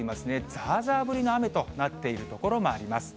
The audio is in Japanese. ざーざー降りの雨となっている所もあります。